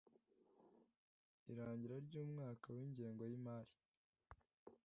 irangira ry umwaka w ingengo y imari